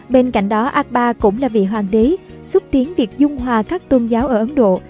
bên cạnh đó akbar cũng là vị hoàng đế xúc tiến việc dung hòa các tôn giáo ở ấn độ